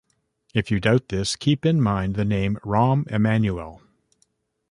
If you doubt this, keep in mind the name Rahm Emanuel.